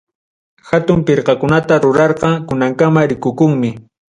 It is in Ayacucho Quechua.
Hatun pirqakunata rurarqa, kunankama rikukunmi.